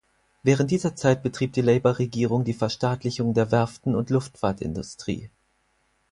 Während dieser Zeit betrieb die Labour-Regierung die Verstaatlichung der Werften und Luftfahrtindustrie.